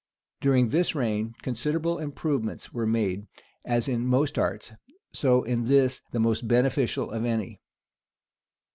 During this reign, considerable improvements were made, as in most arts, so in this, the most beneficial of any.